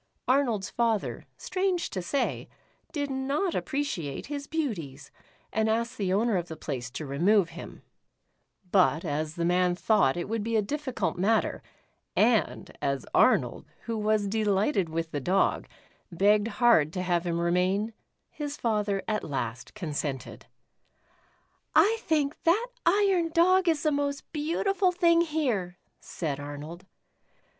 Arnold's father, strange to say, did not appreciate his beauties, and asked the owner of the place to remove him, but as the man thought it would be a difficult matter, and as Arnold, who was delighted with the Dog, begged 1 60 The Iron Dog. i6i hard to have him remain, his father at last, con sented. "/ think that iron Dog is the most beautiful thing here," said Arnold.